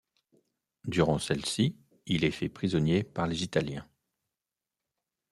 Durant celle-ci, il est fait prisonnier par les Italiens.